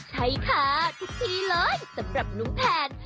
ใช่ค่ะทุกที่เลยสำหรับลุงแทน